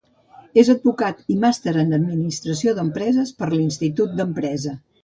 És advocat i màster en administració d'empreses per l'Institut d'Empresa.